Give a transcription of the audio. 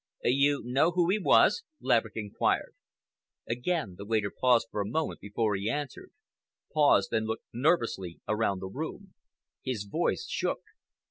"You know who he was?" Laverick inquired. Again the waiter paused for a moment before he answered—paused and looked nervously around the room. His voice shook.